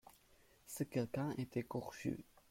Ce quelqu'un était Gorju.